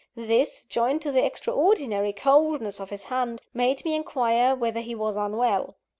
This, joined to the extraordinary coldness of his hand, made me inquire whether he was unwell.